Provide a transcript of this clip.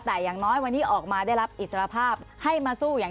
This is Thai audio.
แต่อย่างน้อยวันนี้ออกมาได้รับอิสรภาพให้มาสู้อย่าง